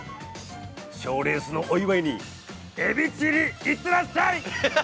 賞レースのお祝いに、エビチリ、行ってらっしゃい。